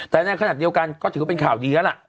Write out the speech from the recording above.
แต่ในขณะเดียวกันก็ถือเป็นข่าวหลีกันละ